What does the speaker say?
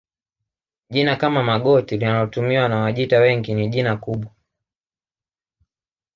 Jina kama Magoti linalotumiwa na Wajita wengi ni jina kubwa